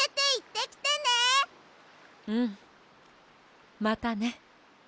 うんまたね。